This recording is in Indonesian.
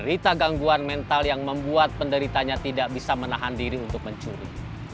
dia mengalami kekangguan mental yang membuat penderitanya tidak bisa menahan diri untuk mencuri